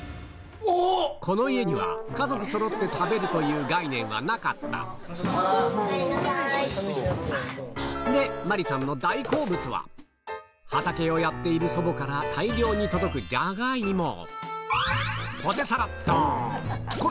この家には家族そろって食べるという概念はなかったマリさんの大好物は畑をやっている祖母から大量に届くじゃがいも